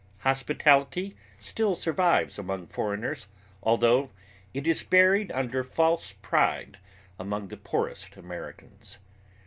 Hospitality still survives among foreigners, although it is buried under false pride among the poorest Americans.